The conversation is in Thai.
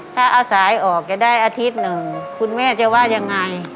ถ้าเอาสายออกจะได้อาทิตย์หนึ่งคุณแม่จะว่ายังไง